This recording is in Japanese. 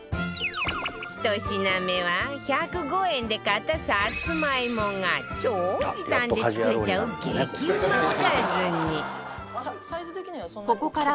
１品目は１０５円で買ったさつまいもが超時短で作れちゃう激うまおかずに